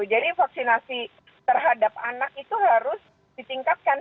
jadi vaksinasi terhadap anak itu harus ditingkatkan